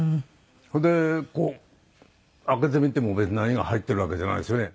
それでこう開けてみても別に何が入ってるわけじゃないですよね。